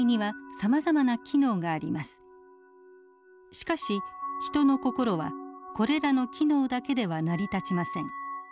しかし人の心はこれらの機能だけでは成り立ちません。